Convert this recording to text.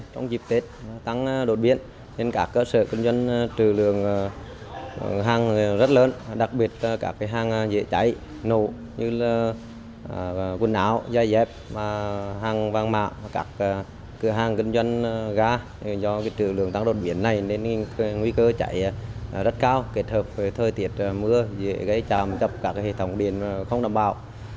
thời tiết mưa dễ gây tràm dập các hệ thống điện không đảm bảo